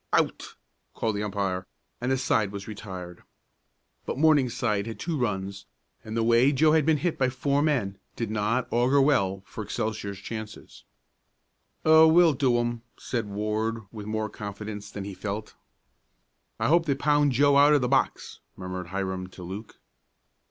"Out!" called the umpire, and the side was retired. But Morningside had two runs, and the way Joe had been hit by four men did not augur well for Excelsior's chances. "Oh, we'll do 'em!" said Ward, with more confidence than he felt. "I hope they pound Joe out of the box," murmured Hiram to Luke.